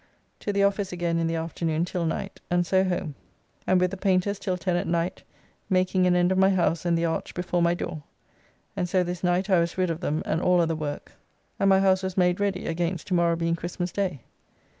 To the office again in the afternoon till night, and so home, and with the painters till 10 at night, making an end of my house and the arch before my door, and so this night I was rid of them and all other work, and my house was made ready against to morrow being Christmas day.